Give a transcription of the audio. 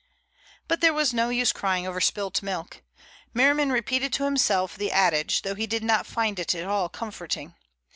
But there was no use in crying over spilt milk. Merriman repeated to himself the adage, though he did not find it at all comforting.